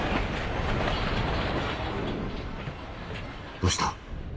どうした？